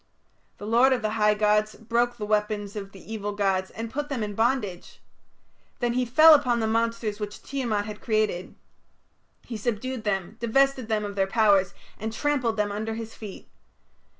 The lord of the high gods broke the weapons of the evil gods and put them in bondage. Then he fell upon the monsters which Tiamat had created; he subdued them, divested them of their powers, and trampled them under his feet.